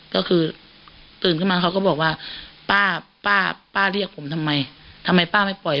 ก็คือตื่นขึ้นมาเขาก็บอกว่าป้าป้าเรียกผมทำไมทำไมป้าไม่ปล่อย